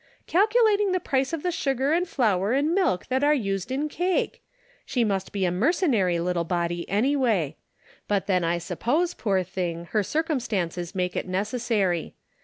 " Calculating the price of the sugar and flour and milk that are used in cake ! She must be 88 The Pocket Measure, a mercenary little body anyway ; but then I suppose, poor thing, her circumstances make it necessary.